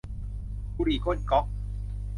บุหรี่ก้นก๊อก